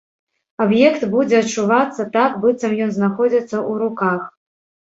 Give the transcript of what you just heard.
Аб'ект будзе адчувацца так, быццам ён знаходзіцца ў руках.